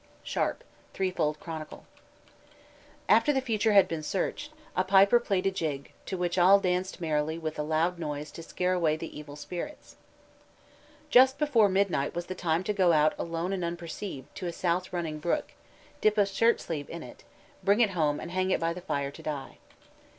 SHARP: Threefold Chronicle. After the future had been searched, a piper played a jig, to which all danced merrily with a loud noise to scare away the evil spirits. Just before midnight was the time to go out "alone and unperceived" to a south running brook, dip a shirt sleeve in it, bring it home and hang it by the fire to dry.